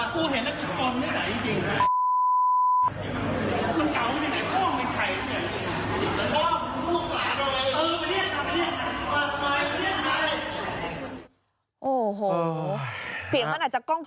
โปรดติดตามตอนต่อไป